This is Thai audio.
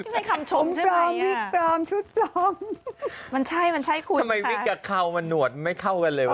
ไม่มีคำชมใช่ไหมอ่ะมันใช่มันใช่คุณค่ะทำไมวิกกับเขามันหนวดไม่เข้ากันเลยวะ